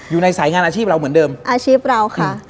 อยู่ในสายงานอาชีพเราเหมือนเดิมอาชีพเราค่ะ